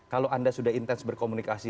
kalau anda sudah intens berkomunikasi